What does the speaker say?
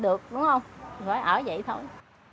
đúng không phải ở vậy thôi